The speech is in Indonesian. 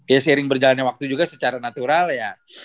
ya sering berjalannya waktu juga secara natural ya